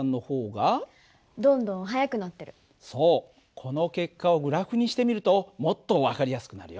この結果をグラフにしてみるともっと分かりやすくなるよ。